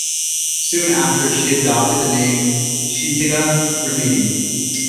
Soon after, she adopted the name Cheikha Rimitti.